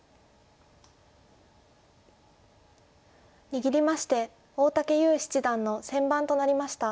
握りまして大竹優七段の先番となりました。